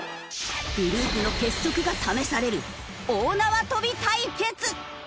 グループの結束が試される大縄跳び対決！